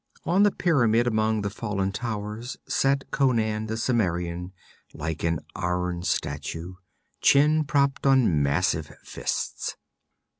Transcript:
On the pyramid among the fallen towers sat Conan the Cimmerian like an iron statue, chin propped on massive fists.